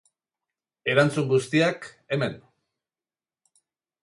Erantzun guztiak, hemen!